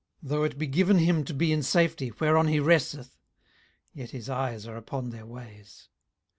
18:024:023 Though it be given him to be in safety, whereon he resteth; yet his eyes are upon their ways.